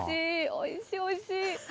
おいしいおいしい。